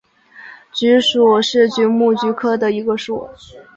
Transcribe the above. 菊属是菊目菊科的一个属。